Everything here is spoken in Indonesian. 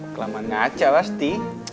kelamaan aja pasti